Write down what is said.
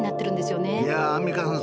いやアンミカさん